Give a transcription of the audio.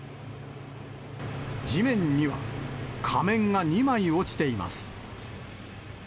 地面には仮面が２枚落ちています。